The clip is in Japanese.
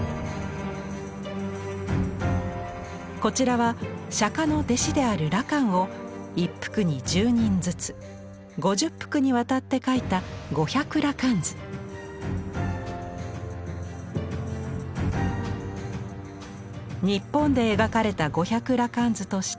こちらは釈迦の弟子である羅漢を一幅に１０人づつ５０幅にわたって描いた日本で描かれた「五百羅漢図」としては最古級！